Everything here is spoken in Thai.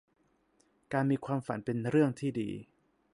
การมีความฝันเป็นเรื่องที่ดี